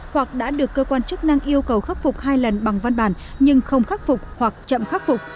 hoặc đã được cơ quan chức năng yêu cầu khắc phục hai lần bằng văn bản nhưng không khắc phục hoặc chậm khắc phục